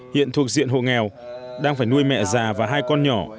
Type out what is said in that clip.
hiện thuộc diện hộ nghèo đang phải nuôi mẹ già và hai con nhỏ